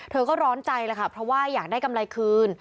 ก็ร้อนใจแล้วค่ะเพราะว่าอยากได้กำไรคืน